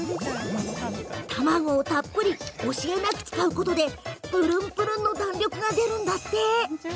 卵をたっぷり惜しげもなく使うことでプルンプルンの弾力が出るんだって。